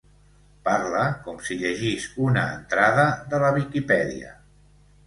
Parla com si llegís una entrada de la Viquipèdia.